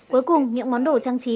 cuối cùng những món đồ trang trí